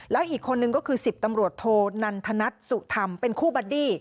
แล้วอีกคนนึงก็คือ๑๐ตำรวจโทนันทนัทสุธรรมเป็นคู่บัดดี้